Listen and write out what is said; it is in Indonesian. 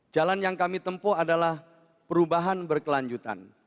jalan yang kami tempuh adalah perubahan berkelanjutan